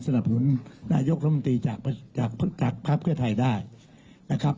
สนับหนุนนายกรมตรีจากภักษ์เครือไทยได้นะครับ